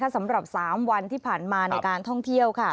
สำหรับ๓วันที่ผ่านมาในการท่องเที่ยวค่ะ